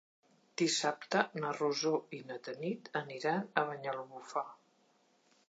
Dissabte na Rosó i na Tanit aniran a Banyalbufar.